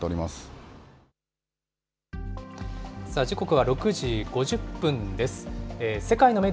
時刻は６時５０分です。